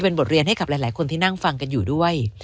เป็นบทเรียนให้กับหลายคนที่นั่งฟังกันอยู่ด้วย